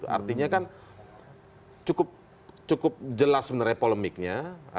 artinya kan cukup jelas sebenarnya polemiknya